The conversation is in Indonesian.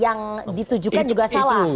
yang ditujukan juga salah